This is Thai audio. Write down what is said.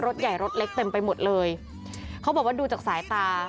รถใหญ่รถเล็กเต็มไปหมดเลยเขาบอกว่าดูจากสายตา